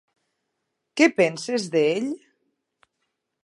Què penses d'ell?